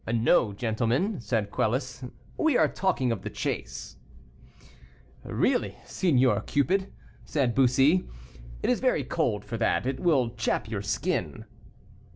"No, gentlemen," said Quelus, "we are talking of the chase." "Really, Signor Cupid," said Bussy; "it is very cold for that. It will chap your skin."